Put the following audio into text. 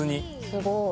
すごい。